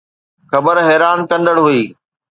خبر حيران ڪندڙ هئي.